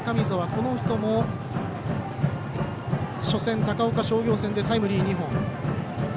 この人も、初戦、高岡商業戦でタイムリー２本。